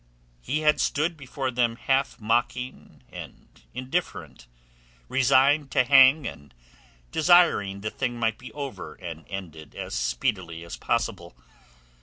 He had stood before them half mocking and indifferent, resigned to hang and desiring the thing might be over and ended as speedily as possible.